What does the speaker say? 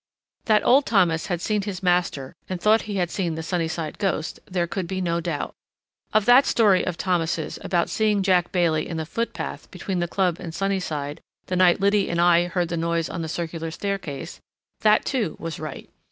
That old Thomas had seen his master, and thought he had seen the Sunnyside ghost, there could be no doubt. Of that story of Thomas', about seeing Jack Bailey in the footpath between the club and Sunnyside, the night Liddy and I heard the noise on the circular staircase—that, too, was right.